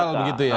tunggal begitu ya